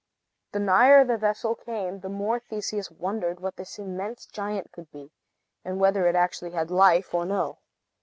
The nigher the vessel came, the more Theseus wondered what this immense giant could be, and whether it actually had life or no.